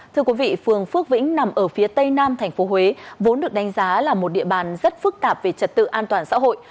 thưa quý vị phường phước vĩnh nằm ở phía tây nam tp huế vốn được đánh giá là một địa bàn rất phức tạp về trật tự an toàn xã hội